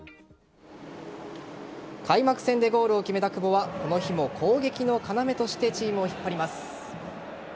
開幕戦でゴールを決めた久保はこの日も攻撃の要としてチームを引っ張ります。